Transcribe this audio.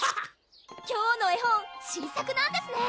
今日の絵本新作なんですね